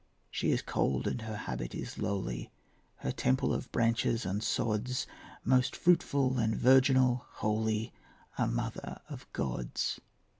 She is cold, and her habit is lowly, Her temple of branches and sods; Most fruitful and virginal, holy, A mother of gods.